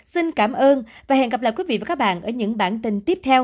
xin cảm ơn và hẹn gặp lại quý vị và các bạn ở những bản tin tiếp theo